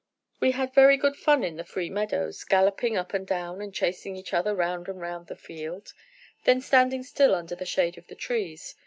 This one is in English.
We had very good fun in the free meadows, galloping up and down and chasing each other round and round the field; then standing still under the shade of the trees.